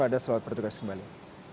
ada selamat berjogas kembali